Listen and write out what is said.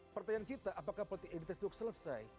pertanyaan kita apakah politik identitas itu selesai